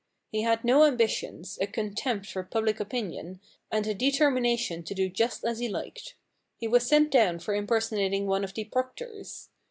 He had no am bitions, a contempt for public opinion, and a determination to do just as he liked. He was sent down for impersonating one of the proctors.